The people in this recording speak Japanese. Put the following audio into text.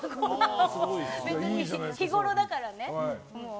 別に、日ごろだからね。